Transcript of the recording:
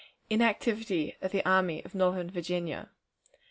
Inactivity of the Army of Northern Virginia.